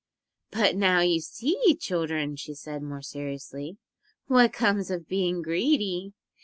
"But now you see, children," she said more seriously, "what comes of being greedy.